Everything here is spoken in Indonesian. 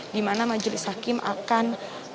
di mana majelis hakim akan